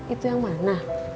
itu yang mana